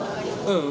うん。